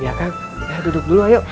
iya kum duduk dulu ayo